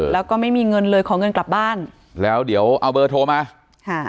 แล้วก็ไม่มีเงินเลยขอเงินกลับบ้านแล้วเดี๋ยวเอาเบอร์โทรมาค่ะ